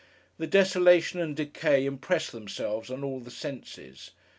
The desolation and decay impress themselves on all the senses.